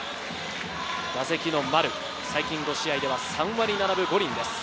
打席の丸、最近５試合では３割７分５厘です。